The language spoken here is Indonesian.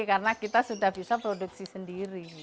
karena kita sudah bisa produksi sendiri